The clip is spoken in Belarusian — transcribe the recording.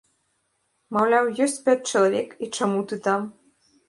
Маўляў, ёсць пяць чалавек і чаму ты там?